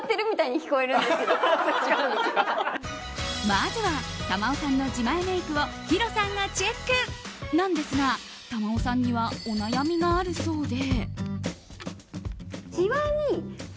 まずは珠緒さんの自前メイクをヒロさんがチェック！なんですが珠緒さんにはお悩みがあるそうで。